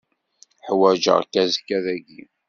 Ḥwaǧeɣ-k azekka dagi.